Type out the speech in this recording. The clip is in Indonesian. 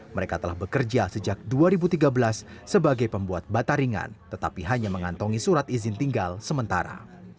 mereka telah bekerja sejak dua ribu tiga belas sebagai pembuat bataringan tetapi hanya mengantongi surat izin tinggal sementara